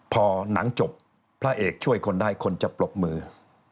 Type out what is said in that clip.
พอหนังจบพระเอกช่วยคนได้คนจะปรบมือ